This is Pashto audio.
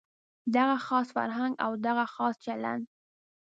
دغه خاص فرهنګ او دغه خاص چلند.